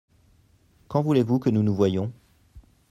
Quand voulez-vous que nous nous voyions.